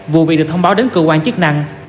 vụ việc được thông báo đến cơ quan chức năng